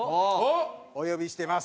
お呼びしてます。